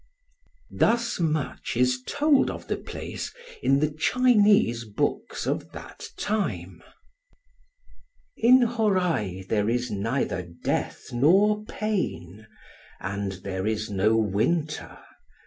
Thus much is told of the place in the Chinese books of that time:— In Hōrai there is neither death nor pain; and there is no winter.